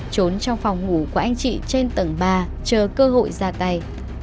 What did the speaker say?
trốn trong phòng ngủ của anh chị trên tầng ba chờ cơ hội ra tay